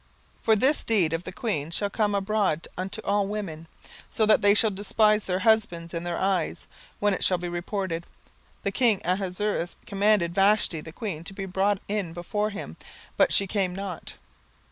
17:001:017 For this deed of the queen shall come abroad unto all women, so that they shall despise their husbands in their eyes, when it shall be reported, The king Ahasuerus commanded Vashti the queen to be brought in before him, but she came not.